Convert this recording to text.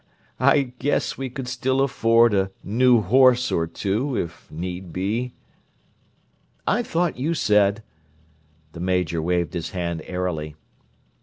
"I guess we could still afford a new horse or two, if need be—" "I thought you said—" The Major waved his hand airily.